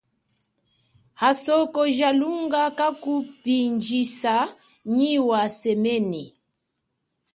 Asoko ja lunga kakupindjisa nyi wa semene.